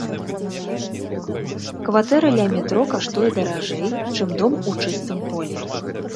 Кватэра ля метро каштуе даражэй, чым дом у чыстым полі.